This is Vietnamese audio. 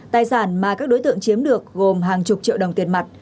tài sản mà các đối tượng chiếm được gồm hàng chục triệu đồng tiền mặt